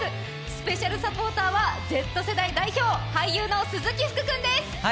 スペシャルサポーターはＺ世代代表俳優の鈴木福くんです。